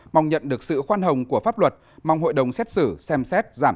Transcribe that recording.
mong nhận được sự khoan hồng của pháp luật mong hội đồng xét xử xem xét giảm